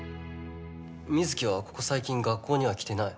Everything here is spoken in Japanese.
水城はここ最近学校には来てない。